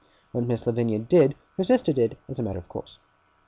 What Miss Lavinia did, her sister did as a matter of course.